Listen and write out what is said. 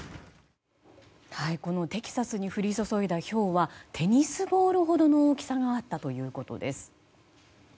テキサスに降り注いだひょうはテニスボールほどの大きさがあったということです。